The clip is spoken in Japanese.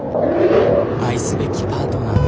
愛すべきパートナーが。